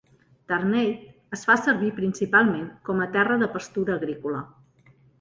Tarneit es fa servir principalment com a terra de pastura agrícola.